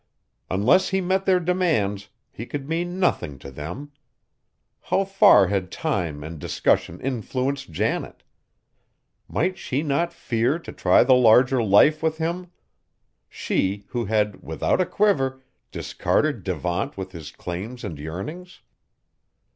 Unless he met their demands, he could mean nothing to them. How far had time and discussion influenced Janet? Might she not fear to try the larger life with him; she who had, without a quiver, discarded Devant with his claims and yearnings?